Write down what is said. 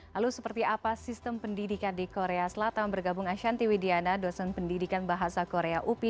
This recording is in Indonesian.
lalu seperti apa sistem pendidikan di korea selatan bergabung ashanti widiana dosen pendidikan bahasa korea upi